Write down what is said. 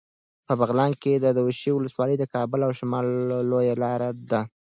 په بغلان کې د دوشي ولسوالي د کابل او شمال لویه لاره ده.